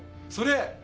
それ！